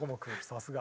さすが。